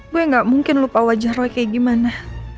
gue gak mungkin lupa wajah roy kayak gimana